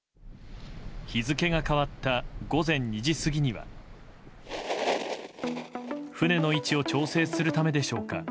日付が変わった午前２時過ぎには船の位置を調整するためでしょうか